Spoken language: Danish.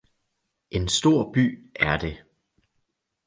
En stor by er det